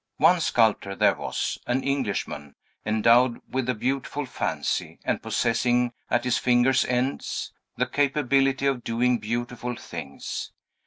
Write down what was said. One sculptor there was, an Englishman, endowed with a beautiful fancy, and possessing at his fingers' ends the capability of doing beautiful things.